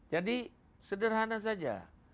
jadi sederhana saja